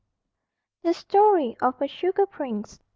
_THE STORY OF A SUGAR PRINCE.